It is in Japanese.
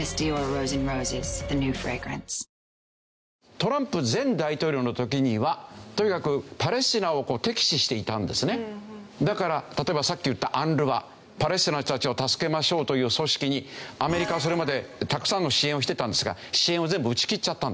トランプ前大統領の時にはとにかくだから例えばさっき言ったＵＮＲＷＡパレスチナの人たちを助けましょうという組織にアメリカはそれまでたくさんの支援をしてたんですが支援を全部打ち切っちゃったんですよ。